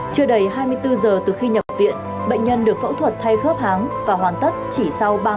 chưa đầy hai mươi bốn giờ từ khi nhập viện bệnh nhân được phẫu thuật thay khớp háng và hoàn tất chỉ sau ba mươi